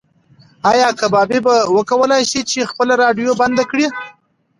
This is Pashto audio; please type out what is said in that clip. ایا کبابي به وکولی شي چې خپله راډیو بنده کړي؟